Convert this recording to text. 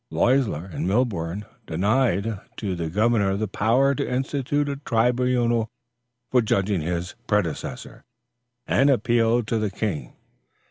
Leisler and Milborne denied to the governor the power to institute a tribunal for judging his predecessor, and appealed to the king.